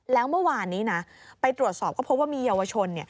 แล้วเมื่อวานนี้นะไปตรวจสอบก็พบว่ามีเยาวชน